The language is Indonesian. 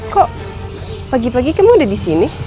kok pagi pagi kamu udah disini